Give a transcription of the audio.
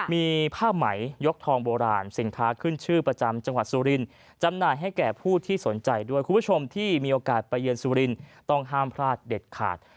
มีผ้าไหมยกทองโบราณสินค้าขึ้นชื่อประจำจังหวัดสุรินจำหน่ายให้แก่ผู้ที่สนใจด้วยคุณผู้ชมที่มีโอกาสไปเยือนสุรินทร์ต้องห้ามพลาดเด็ดขาด